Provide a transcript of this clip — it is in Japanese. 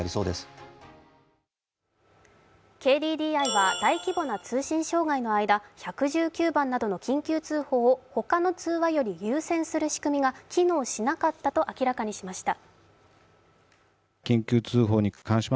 ＫＤＤＩは大規模な通信障害の間１１９番などの緊急通報を他の通話より優先する仕組みが機能しなかったと明らかにしました。